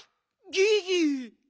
ギギ！